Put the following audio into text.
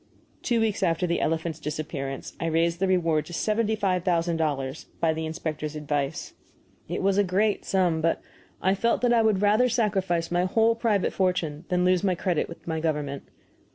Two weeks after the elephant's disappearance I raised the reward to seventy five thousand dollars by the inspector's advice. It was a great sum, but I felt that I would rather sacrifice my whole private fortune than lose my credit with my government.